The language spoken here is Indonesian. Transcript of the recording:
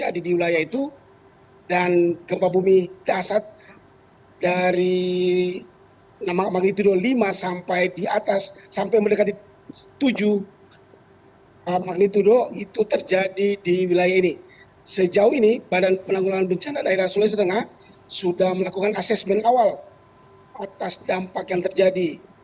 dari lima sampai di atas sampai mendekati tujuh itu terjadi di wilayah ini sejauh ini badan penanggulan bencana daerah sulawesi tengah sudah melakukan asesmen awal atas dampak yang terjadi